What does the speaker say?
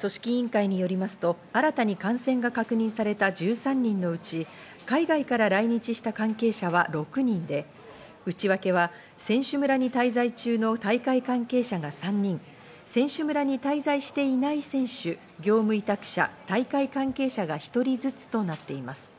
組織委員会よりますと新たに感染が確認された１３人のうち、海外から来日した関係者は６人で、内訳は、選手村に滞在中の大会関係者が３人、選手村に滞在していない選手、業務委託者、大会関係者が１人ずつとなっています。